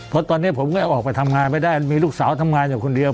เพราะตอนนี้ผมก็ออกไปทำงานไม่ได้มีลูกสาวทำงานอยู่คนเดียว